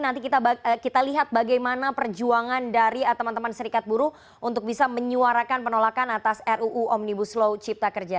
nanti kita lihat bagaimana perjuangan dari teman teman serikat buruh untuk bisa menyuarakan penolakan atas ruu omnibus law cipta kerja